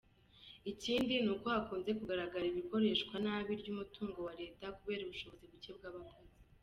Ikindi nuko hakunze kugaragara ikoreshwanabi ry’umutungo wa Leta kubera ubushobozi bucye bw’abakozi.